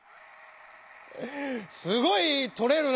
すごい採れるな！